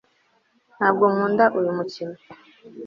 ntabwo nkunda uyu mukino